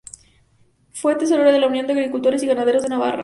Fue tesorero en la Unión de Agricultores y Ganaderos de Navarra.